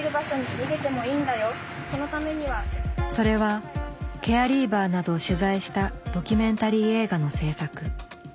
それはケアリーバーなどを取材したドキュメンタリー映画の製作。